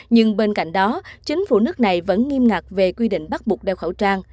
nhưng bên cạnh đó chính phủ nước này vẫn nghiêm ngặt về quy định bắt buộc đeo khẩu trang